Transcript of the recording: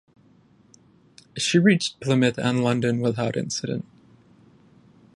She reached Plymouth and London without incident.